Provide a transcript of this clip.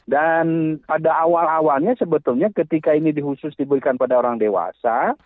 dan pada awal awalnya sebetulnya ketika ini di khusus diberikan pada orang dewasa